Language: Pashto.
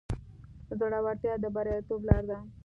زړورتیا د بریالیتوب لاره ده.